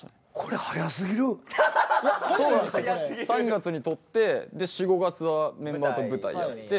３月に撮って４５月はメンバーと舞台やって。